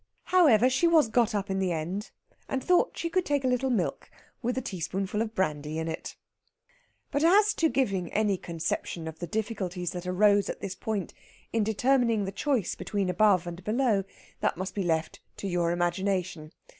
However, she was got up in the end, and thought she could take a little milk with a teaspoonful of brandy in it. But as to giving any conception of the difficulties that arose at this point in determining the choice between above and below, that must be left to your imagination.